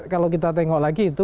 kalau kita tengok lagi itu